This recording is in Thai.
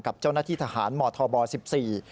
กับเจ้าหน้าที่ทหารหมธบำ๑๔